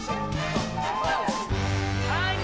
はい！